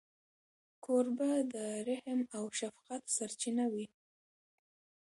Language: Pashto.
کوربه د رحم او شفقت سرچینه وي.